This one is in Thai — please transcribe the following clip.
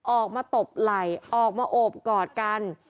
ออกมาตบไหล่ออกมาโอบกอดกัน